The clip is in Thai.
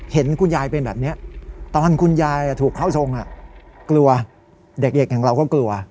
เห็นคุณยายเป็นแบบนี้ตอนคุณยายถูกเข้าทรงกลัวเด็กอย่างเราก็กลัว